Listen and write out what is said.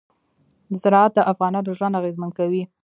زراعت د افغانانو ژوند اغېزمن کوي.